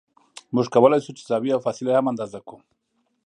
موږ کولای شو چې زاویې او فاصلې هم اندازه کړو